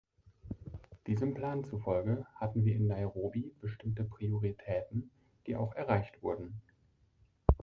Diesem Plan zufolge hatten wir in Nairobi bestimmte Prioritäten, die auch erreicht wurden.